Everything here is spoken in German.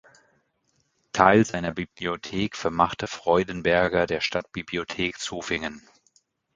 Teile seiner Bibliothek vermachte Freudenberger der Stadtbibliothek Zofingen.